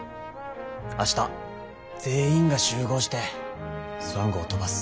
明日全員が集合してスワン号を飛ばす。